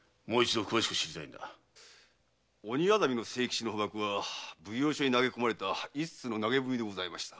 鬼薊の清吉の捕縛は奉行所に投げ込まれた一通の投げ文でした。